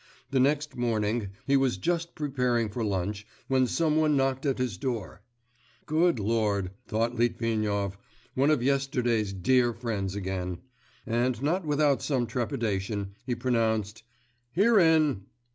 The next morning he was just preparing for lunch, when some one knocked at his door. 'Good Lord,' thought Litvinov, 'one of yesterday's dear friends again,' and not without some trepidation he pronounced: '_Herein!